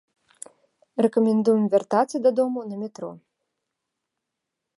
Рэкамендуем вяртацца дадому на метро.